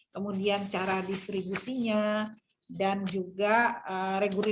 kemudian cara distribusinya dan juga regulasi